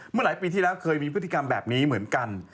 หลายปีที่แล้วเคยมีพฤติกรรมแบบนี้เหมือนกัน